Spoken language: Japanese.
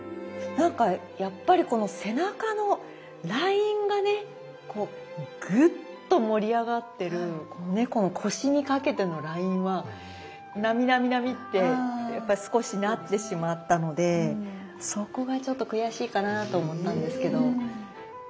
なんかやっぱりこの背中のラインがねこうぐっと盛り上がってる猫の腰にかけてのラインは波波波って少しなってしまったのでそこがちょっと悔しいかなと思ったんですけど。